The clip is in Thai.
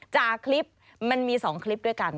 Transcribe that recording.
จากคลิปมันมี๒คลิปด้วยกัน